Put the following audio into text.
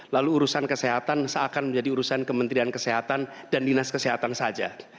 lalu urusan kesehatan seakan menjadi urusan kementerian kesehatan dan dinas kesehatan saja